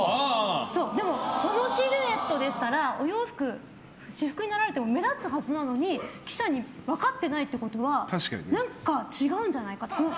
でも、このシルエットですからお洋服、私服になられても目立つはずなのに記者に分かってないってことは何か違うんじゃないかって。